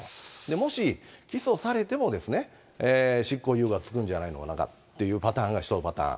もし起訴されても、執行猶予が付くんじゃないのかというのがパターンが１パターン。